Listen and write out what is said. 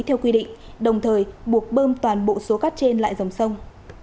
theo quy định đồng thời buộc bơm toàn bộ số cát trên lại dòng sông